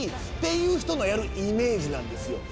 いう人のやるイメージなんですよ。